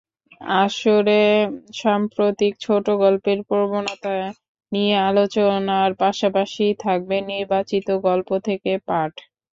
আসরে সাম্প্রতিক ছোটগল্পের প্রবণতা নিয়ে আলোচনার পাশাপাশি থাকবে নির্বাচিত গল্প থেকে পাঠ।